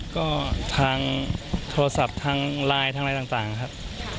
ก็ทางโทรศัพท์ทางไลน์ทางอะไรต่างครับ